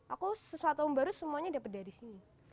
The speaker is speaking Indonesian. aku sesuatu yang baru semuanya dapat dari sini